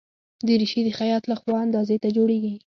دریشي د خیاط له خوا اندازې ته جوړیږي.